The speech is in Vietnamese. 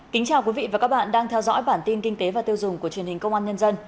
kính chào quý vị và các bạn đang theo dõi bản tin kinh tế và tiêu dùng của truyền hình công an nhân dân